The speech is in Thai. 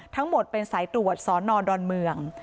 ทั้งหมดเป็นสายตรวจสอนอดอนเมือง